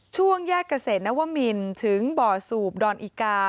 ช่วงแยกเกษตรนวมินถึงบ่อสูบดอนอิกา